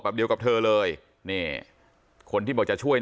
เดียวกับเธอเลยนี่คนที่บอกจะช่วย